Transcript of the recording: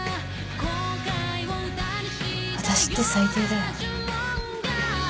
私って最低だよ。